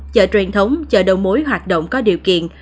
chợ truyền thống chợ đầu mối hoạt động có điều kiện